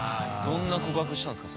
どんな告白したんすか？